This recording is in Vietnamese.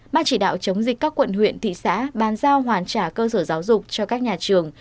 ban chỉ đạo chống dịch các quận huyện thị xã bàn giao hoàn trả cơ sở giáo dục cho các nhà trường